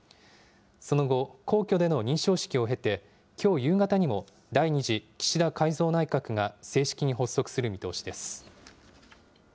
その後、皇居での認証式を経て、きょう夕方にも、第２次岸田改造内閣が正式に発足する見通しです。